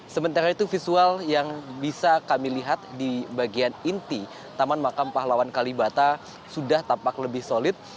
sementara itu visual yang bisa kami lihat di bagian inti taman makam pahlawan kalibata sudah tampak lebih solid